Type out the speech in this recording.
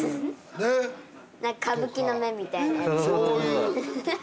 何か歌舞伎の目みたいなやつ。